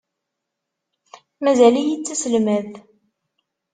Mazal-iyi d taselmadt.